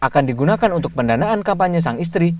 akan digunakan untuk pendanaan kampanye sang istri